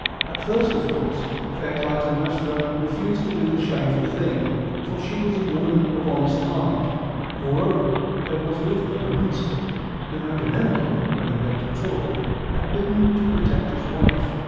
At first, of course, fair Clytemnestra refused to do the shameful thing, for she was a woman THE EARLY EPIC 13 of honest heart. Moreover, there was with her a minstrel, whom Agamemnon, when he went to Troy, had bidden to protect his wife.